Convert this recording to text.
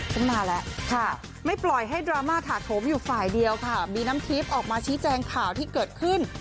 ตั้งนานแล้วค่ะไม่ปล่อยให้ดราม่าถาโถมอยู่ฝ่ายเดียวค่ะบีน้ำทิพย์ออกมาชี้แจงข่าวที่เกิดขึ้น